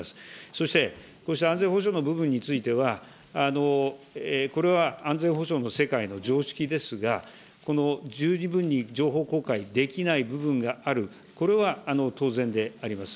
そして、こうした安全保障の部分については、これは安全保障の世界の常識ですが、十二分に情報公開できない部分がある、これは当然であります。